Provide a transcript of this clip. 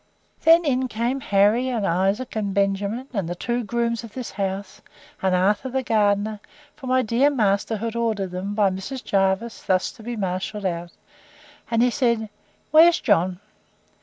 Then in came Harry, and Isaac, and Benjamin, and the two grooms of this house, and Arthur the gardener; for my dear master had ordered them, by Mrs. Jervis, thus to be marshalled out: and he said, Where's John?